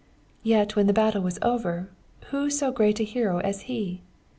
Yet, when the battle was over, who so great a hero as he!